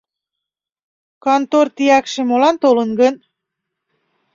Кантор тиякше молан толын гын?